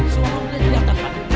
semua mobilnya kelihatan